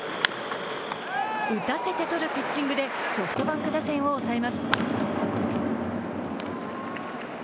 打たせて取るピッチングでソフトバンク打線を抑えます。